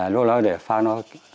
lúc đó để pháp nói